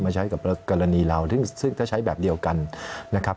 ใช้กับกรณีเราซึ่งถ้าใช้แบบเดียวกันนะครับ